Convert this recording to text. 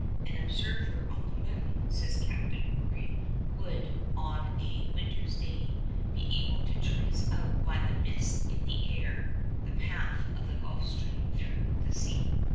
'An observer on the moon,' says Captain Maury, 'would, on a winter's day, be able to trace out by the mist in the air the path of the Gulf Stream through the sea.